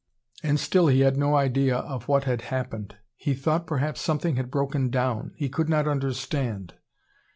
And still he had no idea of what had happened. He thought perhaps something had broken down. He could not understand.